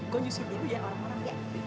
gue nyusir dulu ya orang orang ya